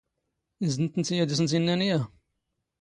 ⵉⵙ ⴷ ⵏⵜⵜⵏⵜⵉ ⴰⴷ ⴰⵙⵏⵜ ⵉⵏⵏⴰⵏ ⵢⴰⵀ?